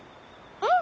うん！